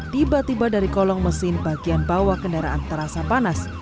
tiba tiba dari kolong mesin bagian bawah kendaraan terasa panas